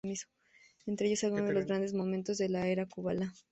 Entre ellos alguno de los grandes momentos de la era Kubala.